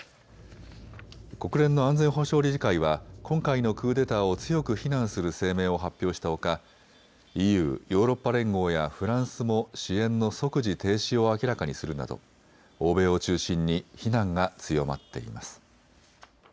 国連の安全保障理事会は今回のクーデターを強く非難する声明を発表したほかＥＵ・ヨーロッパ連合やフランスも支援の即時停止を明らかにするなど欧米を中心に非難が強まっています。